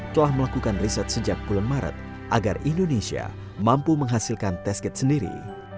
telah melakukan riset sejak bulan maret agar indonesia mampu menghasilkan test kit sendiri